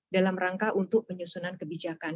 dalam rangka untuk penyusunan kebijakan